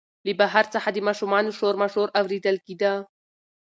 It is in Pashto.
له بهر څخه د ماشومانو شورماشور اورېدل کېده.